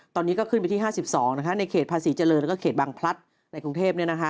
ตอนนี้ก็ขึ้นไปที่๕๒ในเขตภาษีเจริญแล้วก็เขตบางพลัดในกรุงเทพ